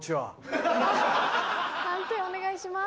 判定お願いします。